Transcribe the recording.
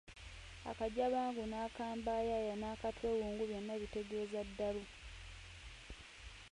Akajabangu n’akambayaaya n’akatwewungu byonna bitegeeza ddalu.